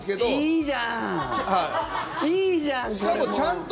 いいじゃん！